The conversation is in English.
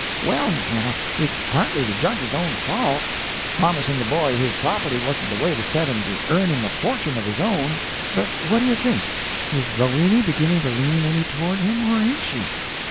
"Well, now, it's partly the judge's own fault. Promising the boy his property wasn't the way to set him to earning a fortune of his own. But what do you think is Roweny beginning to lean any toward him, or ain't she?"